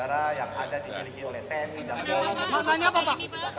maksudnya apa pak